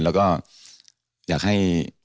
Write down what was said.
แล้วก็อยากให้